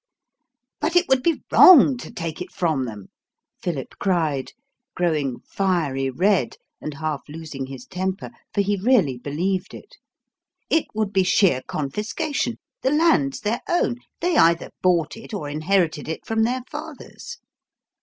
"But it would be WRONG to take it from them," Philip cried, growing fiery red and half losing his temper, for he really believed it. "It would be sheer confiscation; the land's their own; they either bought it or inherited it from their fathers.